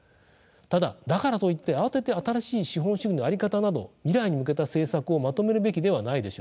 ただだからといって慌てて新しい資本主義の在り方など未来に向けた政策をまとめるべきではないでしょう。